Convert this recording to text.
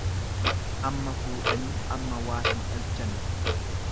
Amma fuudhanii amma waa hin dhalchani.